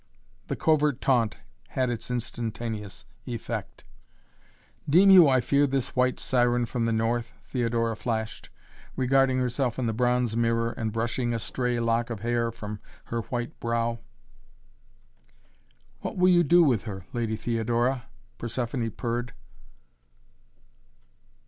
The covert taunt had its instantaneous effect. "Deem you I fear this white siren from the North?" Theodora flashed, regarding herself in the bronze mirror and brushing a stray lock of hair from her white brow. "What will you do with her, Lady Theodora?" Persephoné purred.